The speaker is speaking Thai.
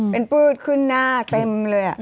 เป็นปืดขึ้นหน้าเต็มเลย